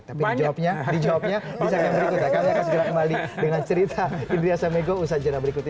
tapi dijawabnya bisa yang berikut